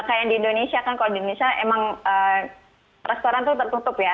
kayak di indonesia kan kalau di indonesia emang restoran tuh tertutup ya